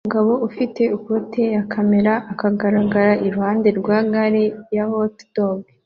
Umugabo ufite ikoti ya kamera ahagarara iruhande rwa gare ya hotdog